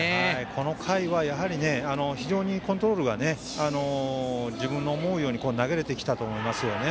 この回は非常にコントロールが自分の思うように投げれてきたと思いますね。